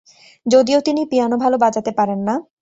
যদিও তিনি পিয়ানো ভালো বাজাতে পারেন না।